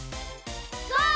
ゴー！